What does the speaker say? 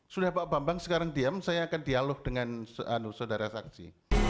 sudah pak bambang sekarang diam saya akan dialog dengan saudara saksi